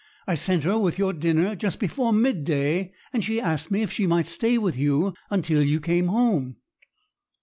I sent her with your dinner just before mid day, and she asked me if she might stay with you until you came home."